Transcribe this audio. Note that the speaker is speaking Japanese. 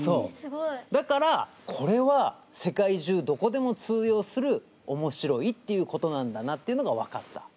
だからこれは世界中どこでも通用するおもしろいっていうことなんだなっていうのが分かった。